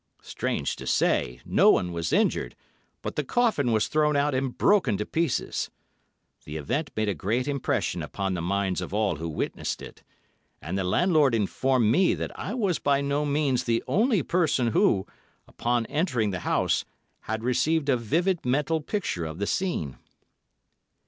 Strange to say, no one was injured, but the coffin was thrown out and broken to pieces. The event made a great impression upon the minds of all who witnessed it, and the landlord informed me that I was by no means the only person who, upon entering the house, had received a vivid mental picture of the scene.